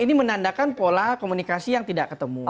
ini menandakan pola komunikasi yang tidak ketemu